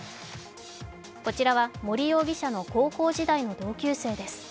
こちらは森容疑者の高校時代の同級生です。